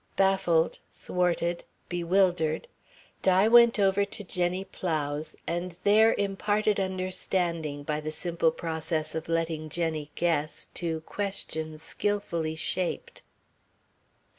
Baffled, thwarted, bewildered, Di went over to Jenny Plow's and there imparted understanding by the simple process of letting Jenny guess, to questions skilfully shaped.